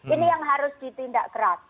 ini yang harus ditindak keras